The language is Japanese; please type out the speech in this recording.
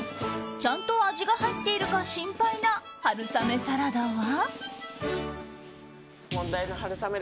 ちゃんと味が入っているか心配な春雨サラダは？